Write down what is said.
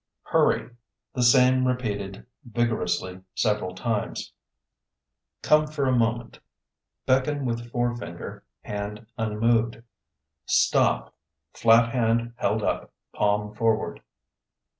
Hurry (The same repeated vigorously several times). Come for a moment (Beckon with forefinger, hand unmoved). Stop (Flat hand held up, palm forward).